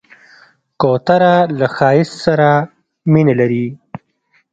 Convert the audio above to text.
کوتره له ښایست سره مینه لري.